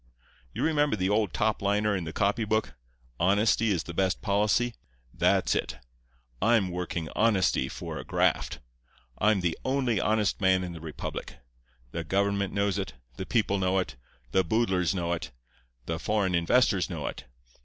You remember the old top liner in the copy book—"Honesty is the Best Policy"? That's it. I'm working honesty for a graft. I'm the only honest man in the republic. The government knows it; the people know it; the boodlers know it; the foreign investors know it.